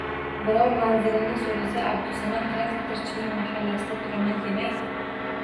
Birov manzilini so‘rasa, «Abdusamad traktorchining mahallasida turaman», demaydi.